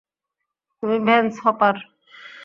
তুমি Vance hopper.